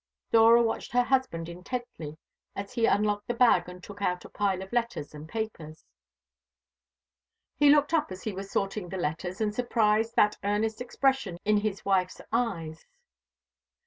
Dora watched her husband intently as he unlocked the bag and took out a pile of letters and papers. He looked up as he was sorting the letters, and surprised that earnest expression in his wife's eyes.